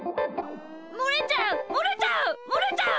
もれちゃうもれちゃうもれちゃう！